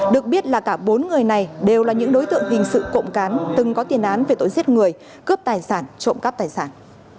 được biết là cả bốn người này đều là những đối tượng hình sự cộng cán từng có tiền án về tội giết người cướp tài sản trộm cắp tài sản